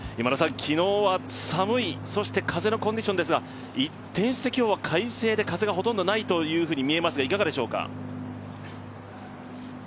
昨日は寒い、そして風のコンディションですが、一転して今日は快晴で風がほとんどないというふうに見えますが、いかがでしょうか。